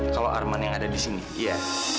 kalau arman yang ada di sini iya